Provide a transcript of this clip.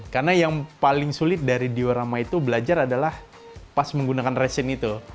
karena yang paling sulit dari diorama itu belajar adalah pas menggunakan resin itu